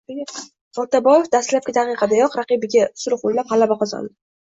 Boltaboyev dastlabki daqiqadayoq raqibiga usul qo‘llab, g‘alaba qozondi